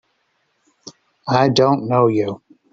I don't know you!